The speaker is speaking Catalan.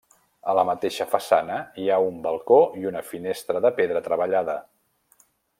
A la mateixa façana hi ha un balcó i una finestra de pedra treballada.